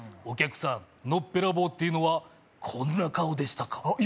「お客さん」「のっぺらぼうっていうのはこんな顔でしたか？」